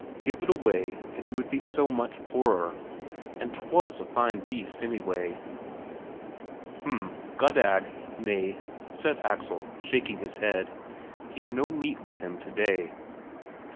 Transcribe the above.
give it away, and he would be so much poorer. And 'twas a fine beast, anyway. "H'm, Goddag. Nay," said Axel, shaking his head; he'd no meat with him today.